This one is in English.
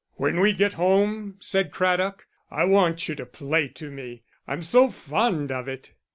"When we get home," said Craddock, "I want you to play to me; I'm so fond of it."